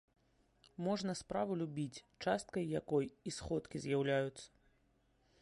Можна справу любіць, часткай якой і сходкі з'яўляюцца.